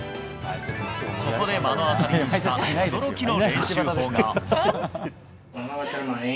そこで目の当たりにした驚きの練習法が。